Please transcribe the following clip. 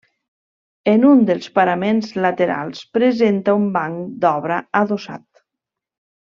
En un dels paraments laterals presenta un banc d'obra adossat.